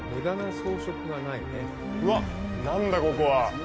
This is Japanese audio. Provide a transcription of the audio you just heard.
うわっ、何だここは。